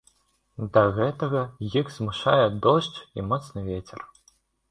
Да гэтага іх змушае дождж і моцны вецер.